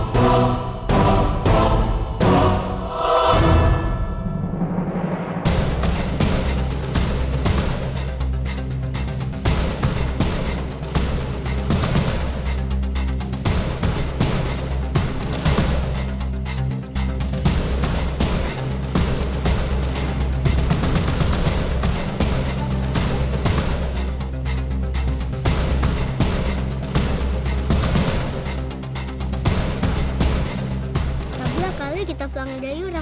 sampai jumpa di video selanjutnya